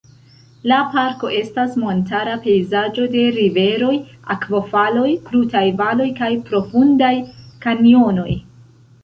La parko estas montara pejzaĝo de riveroj, akvofaloj, krutaj valoj kaj profundaj kanjonoj.